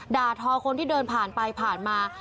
ทอคนที่เดินผ่านไปผ่านมา